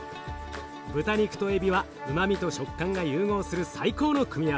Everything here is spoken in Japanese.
豚肉とエビはうまみと食感が融合する最高の組み合わせ。